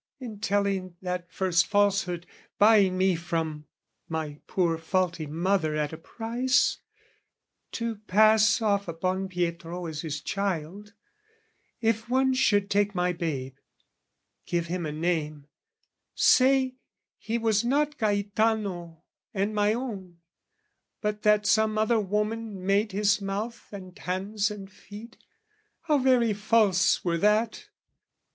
In telling that first falsehood, buying me From my poor faulty mother at a price, To pass off upon Pietro as his child: If one should take my babe, give him a name, Say he was not Gaetano and my own, But that some other woman made his mouth And hands and feet, how very false were that!